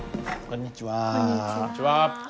こんにちは。